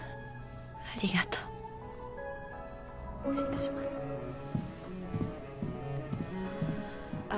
ありがとう失礼いたしますああ